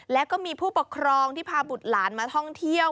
แล้วก็มีผู้ปกครองที่พาบุตรหลานมาท่องเที่ยว